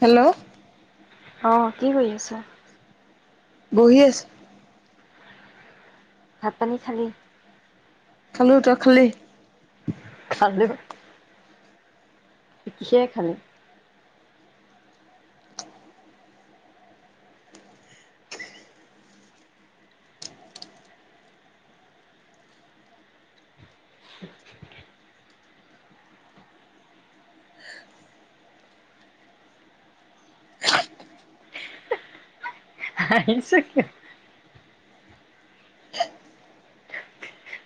Hello অঁ কি কৰি আছা বহি আছো ভাত পানী খালি খালো তই খালি খালো কিহেৰে খালে হাহিছ কিয়?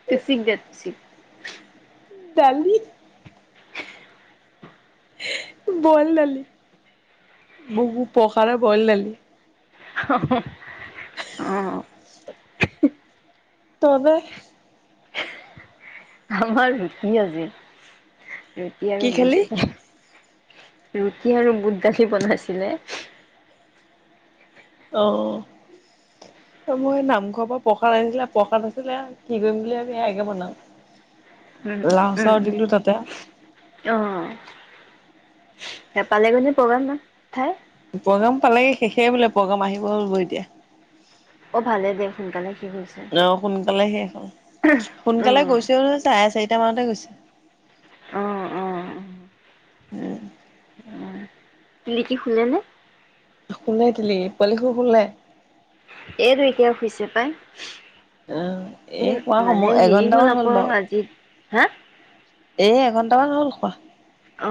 তে [inaudible] চিিক দেছিলি দালি বইল দালি বো বো পকাৰে বইল ডালি আহ তবে আমাৰ কি আজি? ৰুটি কি আৰু খালি? বুট ৰুটি আৰু বুট দালি বনাইছিলে অ মই নামঘৰৰ পৰা প্ৰসাদ আছিলে প্ৰসাদ আাছিলে কি কৰিম বুলি সেয়াকে বনাও উম লাও চাও উম দিলো তাতে আহ নাপালেগনে প্ৰগ্ৰাম ন ঠাই প্ৰগ্ৰাম পালেগে শেষে বোলে প্ৰগ্ৰাম আহিব হ' ব এতিয়া অ ভালে দে সোনকালে শেষ হৈছে। অ সোনকালে শেষ হল অ সোনকালে গৈছেও নহয় চাৰে চাৰি টমাৰতে গৈছে আহ! আহ! উম উম তিলিকি খুলেনে? শুনাই দিলি পোৱালিটো শুলে? নাই এইটো এতিয়া শুইছে পাই অ এ হোৱা ই সময় এঘন্টামান হ'ল বাৰু হে এ এঘন্টামান হ'ল খোৱা অ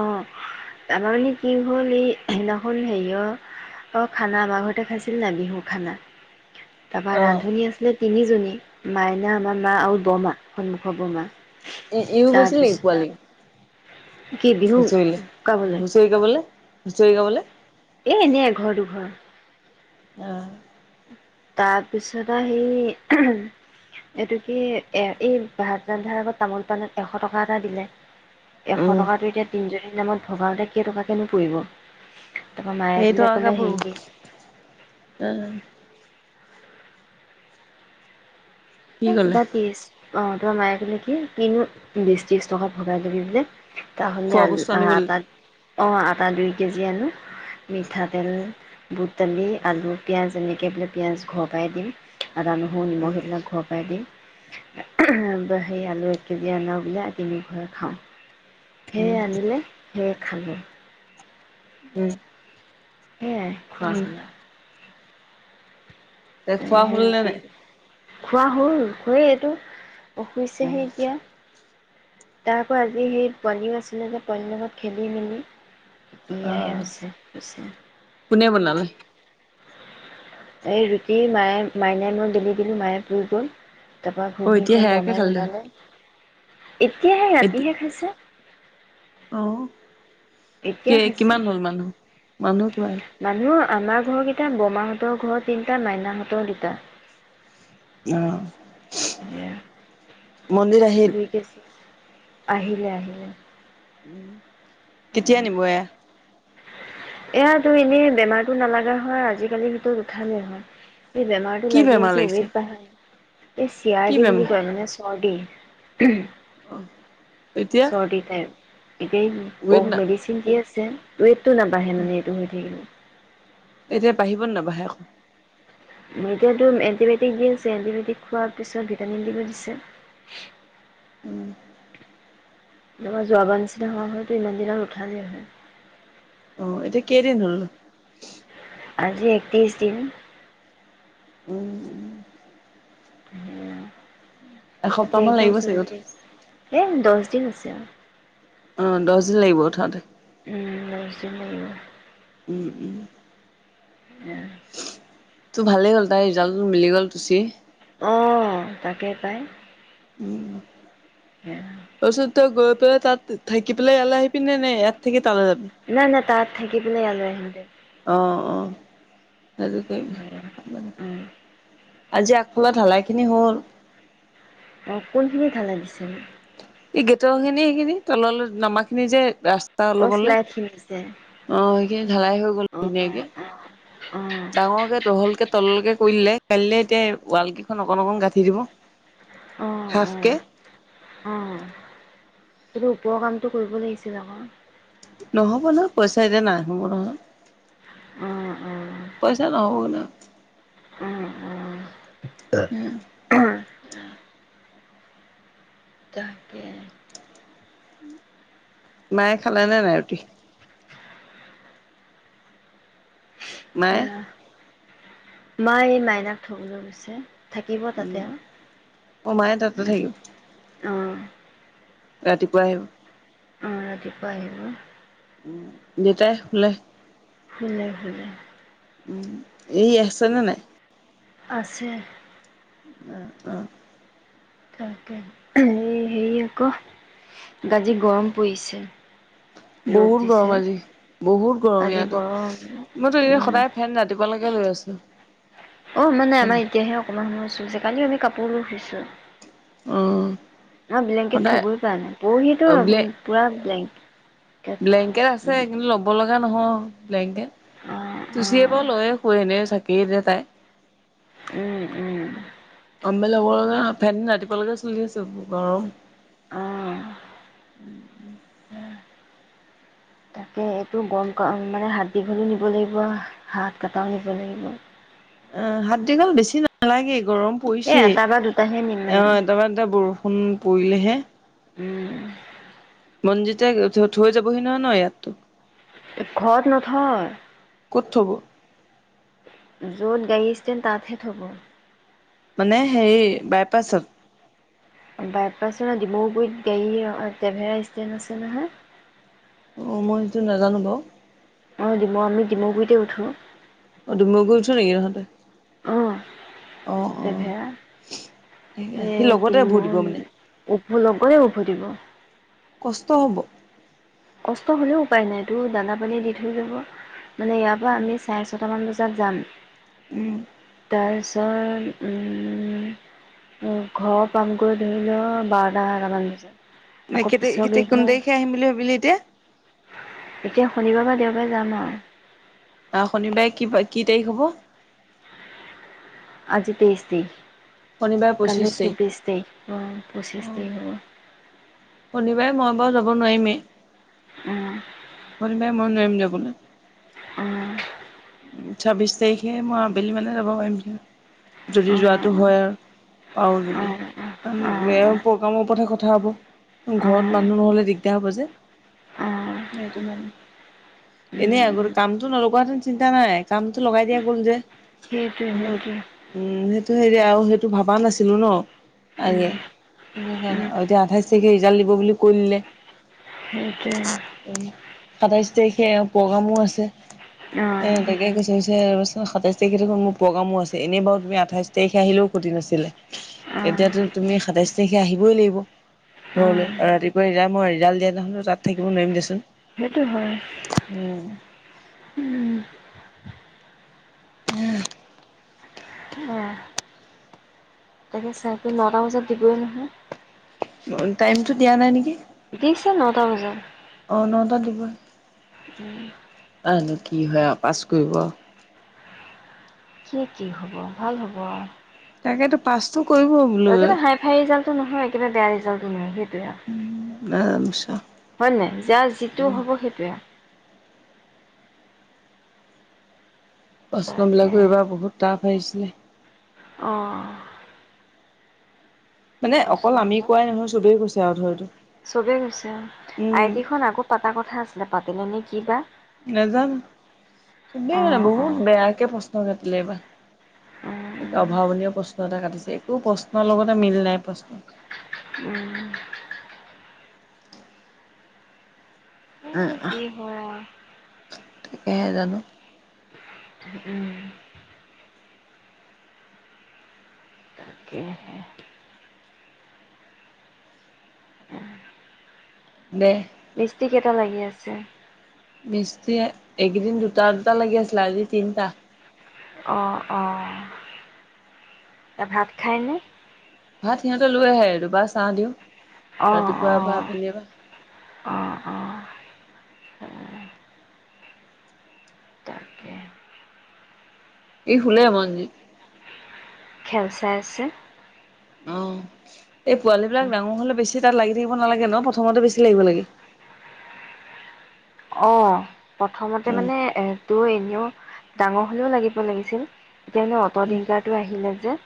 আমাৰ মানে কি হ'ল এই সেইদিনাখন হেৰিয় আ খানা আমাৰ ঘৰতে খাইছিল না বিহু খানা তাৰপৰা অ ৰান্ধনী আছিলে তিনিজনী মাইনা আমাৰ মা আৰু বৰমা সন্মুখৰ বৰমা এ ইয়ো গৈছিল নেকি তাৰপিছত পোৱালি? কি বিহু হুচৰিলে গাবলৈ হুচৰি গাবলে হুচৰি গাবলে এ এনে এঘৰ দুঘৰ আহ তাৰপিছত সি এইটো কি এ এই ভাত ৰন্ধাৰ আগত তামোল পাণত এশ টকা এটা দিলে এশ উম টকাতটো এতিয়া তিনিজনী এই নামত ভগাওঁতে কেইটকাকেনো পৰিব তাৰপৰা মায়ে সেইটো বোলে ক'লে আগাপু হেৰি আহ কি কলে বাতিছ অ তোমাৰ মায়ে কলে কি কিনো বেছি ষ্টকত ভগাই লবি বোলে তাহলে খোৱা বস্তু আ আনিবলৈ ত অঁ আটা দুই কেজি আনো মিঠাতেল বুট, দালি, আলু, পিয়াজ এনেকে একে পেলাই পিঁয়াজ ঘৰ পাই দিম আদা, নহৰু, উম নিমখ এইবিলাক ঘৰত সেই আলু এক কেজি অনা বোলে তিনি ঘৰে খাওঁ সেয়ে উম আনিলে সেয়ে খালে উম সেয়াই খোৱা উম হল এ তেনে খোৱা সেই হল নে ৰুটি নাই! খোৱা হল সেয়ে এইটো উম [unintelligible] এতিয়া তাৰ পৰা আজি সেই পোৱালিও আছিলে যে পোৱালিৰ লগত খেলি মেলি অ এয়াহে হৈছে হৈছে কোনে বনালে এই ৰুটি মায়ে মাইনাই মই বেলি দিলো মায়ে পুৰি গ'ল তাৰ পৰা অ এতিয়া ঘূণীখন সেয়াকে বৰমাই খালে দেখোন মিলালে এতিয়াহে, ৰাতিহে খাইছে, আহ এতিয়া কি খাইছে কিমান হ'ল মানুহ? মানুহ কিবা মানুহ আমাৰ ঘৰকেইটা বৰমাহঁতৰ ঘৰ তিনিটা মাইনাহঁতৰ দুটা। অ সেয়া মন্দিৰ আহিল! দুই কেজি আহিলে আহিলে কেতিয়া নিব এয়া! এয়াতো এনেই বেমাৰতো নালাগা হয় আজিকালি সেইটো নুঠালো হয় সেই বেমাৰটো কি লাগি বেমাৰ আছে লাগিছে উৱেট বাঢ়ে এই চিয়াৰ দি বুলি কয় মানে বডি অ এতিয়া চৰ্দি টাইপ। এতিয়া অ ৱেট না মেডিচিন ডি আছিলে যে ৱোইট নাহে মানে এইটো হৈ থাকিলে এতিয়া বাঢ়িব নাবাঢ়ে আকৌ এতিয়াতো, এণ্টিবায়টিক দি আছে। এণ্টিবায়টিক খোৱাৰ পিছত ভিটামিন দিব দিছে। উম তোমাৰ যোৱাবাৰ নিচিনা হোৱা হয়তো ইমান দিনত উঠা হয় অ' এতিয়া কেইদিন হ'ল নো? আজি একত্ৰিশ দিন উম উম [inaudible] এসপ্তাহ এতিয়া মান একদম লাগিব চাগে চেলাইন উঠ দি আছে এ দছ কঠিন আছে আৰু অ' দহ দিন লাগিব উঠাতে উম, দশ দিন লাগিব। উম উম উম তোৰ ভালেই হ'ল, তাই ৰিজাল্টো মিলি গ'ল তুচি। অহ তাকেই পাই উম তাৰ পিছত তই গৈ তই তাত থাকি পেলাই ইয়ালে আহিবি নে? নে ইয়াত থাকি তালৈ যাবি নাই, নাই তাৰ থাকি পিনে ইয়ালে আহিম দে' অ অ উম [unintelligible] আজি আগফালে ঢালাইখিনি হ'ল অ' কোনখিনি ঢালাই দিছিল? এই গেটৰখিনি সেইখিনি তললৈ নামাখিনি যে ৰাস্তা অ অলপলে শ্লাইডখিনি যে অ' সেইখিনি ঢালাই হৈ গ'ল ধুনীয়াকে ডাঙৰকে তহলকে তললৈকে কৰিলে কাইলে এতিয়া ৱালকেইখন অকণ অকণ গাঁঠি দিব হাফ কে কিন্তু এইটো ওপৰৰ কামটো কৰিব লাগিছিল আকৌ নহ'ব নহয় পইচা এতিয়া নাই সোমোৱা নহয় অ', অ' পইচা নহ'বগে নহয় উম উম উম [inaudible] তাকে মায়ে খালেই নে নাই ৰুটি? মায়ে মাই এই মাইনাক থ'বলে গৈছে থাকিব তাতে উম আৰু অ মায়ে তাতে থাকিব অ'। ৰাতিপুৱা আহিব। অ', ৰাতিপোৱা আহিব। উ', দুটাই শুলে? সোলে, সোলে। উম, এই আছেনে নাই? আছে। উম', অ',। তাকে, এই হেৰি আকৌ আজি গৰম পৰিছে। ৰ'দ বহুত দিছে গৰম আজি, বহুত গৰম আজি ইয়াতো, গৰম। মইতো এনে উম সদায় ফেন ৰাতিপুৱা লৈক লৈ আছো। অ, মানে আমাৰ এতিয়াহে অকমান সময় চুইছে কালি আমি কাপ পৰুফিছ অ ন ব্লেংকট সদায় থবই প নাই, পৰহিতো আ- ব্লে পুৰা ব্লেং ব্লেংকেট আছে কিন্তু ল'ব লগা আ নহয় ব্লেংকেত অঁ তু চি অঁ বাৰু লয়ে শোৱে এনে চাকি পীৰৰে তাই। উম, উম। মেল লবলগা ফেন ৰাতিপুৱালৈকে চলি আছে গৰম। অ',। তাকে, এইটো গৰম মানে হাত দীঘলো নিব লাগিব, হাত কটাও নিব লাগিব। অ, হাত দীঘল বেছি নালাগে। গৰম এ পৰিছেই। এটা বা দুটাহে নিম মানে অ', এটাৰ বা এটা বৰষু ফোন পৰিলেহে। উম। মন্জিতে থৈ যাবহি নহয় ন ইয়াততো? ঘৰত নথয়। ক'ত থব? য'ত গাড়ী ষ্টেণ্ড তাতহে থব। মানে সেই, বাইপাছত? বাইপাছৰ ডিমৰুগুৰিত গাড়ী, টেভেৰা ষ্টেণ্ড আছে নহয়। অ, মই সটো নাজানো বাৰু। অ', ডিমৌ, আমি ডিম গুৈতে উঠো। অ' ডুমুগুৰি গৈছ নেকি তহঁতে? অ', অ' অ' ঠিকে তেভেৰা সি লগতে ভোট দিব মানে এ উভো লগতে উভতিব। কষ্ট হ'ব। কষ্ট হলেও উপায় নাই তোৰ দানা পানীয়ে দি থৈ যাব। মানে ইয়াৰ পৰা আমি চাৰে-ছটা মান বজাত তাত উম। জাম। তাৰছ হে হুম ঘৰ পামগৈ ধৰি লও বাৰটা এটামান বজাত নে আকৌ পিছৰ কেতিয়া কোন গাড়ীখনত তাৰিখে আহিম আহিম বুলি ভাবিলি এতিয়া এতিয়া শনিবাৰ বা দেওবাৰে যাম আও। অহ শনিবাই কি বা কি তাৰিখ হ'ব? আজি তেইজ দি শনিবাৰে পঁচিশ কালিও তাৰিখ। চব্বিশ তাৰিখ অ পঁচিশ অ' তাৰিখ হ'ব। শনিবাৰে মই বাৰু যাব নোৱাৰিমেই। উম। শনিবাৰে মই নোৱাৰিম যাবলে। অহ। ছাব্বিশ তাৰিখে মই আবেলি মানে যাব পাৰিম যদি অঁ যোৱাটো হয় আৰু পাৰু যদি অঁ অঁ অঁ কাৰণ প্ৰগ্ৰামৰ ওপৰতহে কথা হ'ব। অঁ ঘৰত মানুহ নহলে দিগদাৰ হব যে, সেইটো কাণে। অঁ এনে আগ অঁ কামটো নলগোৱা হেতেন চিন্তা নাই কামতটো লগাই দিয়া গ'ল যে। সেইটোৱে সেইটোৱে। টো হেৰি আৰু সেইটো ভবা নাছিলো ন আগে উম সেইটো উম কাৰণে আৰু এতিয়া আঠাইছ তাৰিখে ৰিজাল্ট দিব বুলি কৈ দিলে, সেইটোৱে। সাতাইশ তাৰিখে এওঁ প্ৰগ্ৰামো আছে। অঁ এ তাকে কৈছ ধিছে ৰবাচোন সাতাইশ তাৰিখে মোৰ প্ৰগ্ৰামো আছে এনেই বাৰু তুমি আঠাশই তাৰিখে আহিলেও ক্ষতি নাছিলে। অঁ এতিয়াতো তুমি সাতাশই তাৰিখে আহিবই লাগিব। অঁ ঘৰলৈ আৰু ৰাতিপুৱা মই ৰিজাল্ট দিয়া দেখোনো তাত থাকিব নোৱাৰিম দেচোন। সেইটো হয়। উম উম উম। সেয়া তাকে চাইতটো নটা বজাত দিবই নহয়। টাইমটো দিয়া নাই নেকি? দিছে নটা বজাত। অ নটাত দিবই। উম। তানো কি হয় আৰু পাছ কৰিব। কি কি হ'ব ভাল হ'ব। তাকেতো পাচটো একেবাৰে হাই ফাই ৰিজাল্টটো নহয় একেবাৰে বেয়া ৰিজাল্টটো নহয় সেইটোৱে নাজানো আও, চোৱা। হয় নে নাই? যাৰ যিটো উম হব সেইটোৱে আও। প্ৰশ্ন তাকে বিলাকো এইবাৰ বহুত টাফ আহিছিলে। অহ। মানে অকল প্ৰশ্ন আমি বিলাক কোৱাই নহয় চবেই কৈছে আৰু ধৰ এইটো চবেই কৈছে উম আইটি খন আকৌ পাতা কথা আছিলে পাতিলে নেকি কিবা নেজানো চবেই মানে অঁ বহুত বেয়াকে পস্ত কাটিলে এই বা ত অভাৱনীয় প্ৰশ্ন এটা কাটিছে একো প্ৰশ্নৰ লগতে মিল নাই প্ৰশ্ন অঁ কি হয় আৰু সিকেইহে জানো উম। তাকেহে দে মিস্ত্ৰিকেইটা লাগি আছে মিস্ত্ৰী এইকেইদিন দুটা দুটা লাগি আছিলে আজি তিনটা অঁ অঁ এ ভাত খায়নে ভাত সিহঁতে লৈ আহে আৰু দুবায় চা দিওঁ [unintelligible] অঁ অঁ উ এই শুলে মনজিৎ খেল চাই আছে অ এই পোৱালী বিলাক ডাঙৰ হলে বেছি তাত লাগি থাকিব নালাগে ন প্ৰথমতে বেছি লাগিব লাগে অহ প্ৰথমতে উম মানে এটো এনেও ডাঙৰ হলেও লাগিব লাগিছিল এতিয়ানেই উম অ'টোডিংকাৰাৰটো আহিলে যে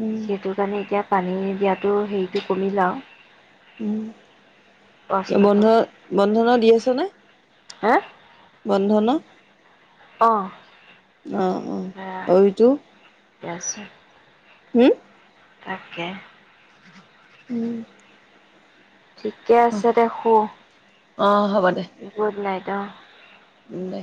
উম সেইটো কাৰণে এতিয়া পানী দিয়াতো হেৰিটো কমি লাওঁ উম বন্ধ বন্ধন দি আছ নে হে বন্ধ ন অহ অ অ অভিটো ঠিকে আছে হম তাকে উম, ঠিকে আছে অ', দে অ', হ'ব দে, শুই গুড নাইট অঁ উম দে